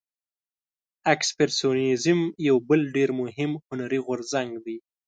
اکسپرسیونیزم یو بل ډیر مهم هنري غورځنګ دی.